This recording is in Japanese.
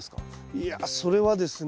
いやそれはですね